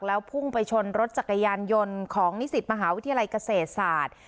แล้วพุ่งไปชนรถจักรยานยนต์ของนิสิตมหาวิทยาลัยเกษตรศาสตร์